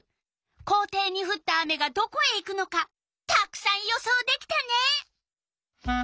校庭にふった雨がどこへ行くのかたくさん予想できたね！